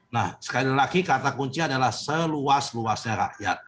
nah sekali lagi kata kunci adalah seluas luasnya rakyat